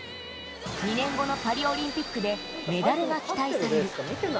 ２年後のパリオリンピックでメダルが期待される。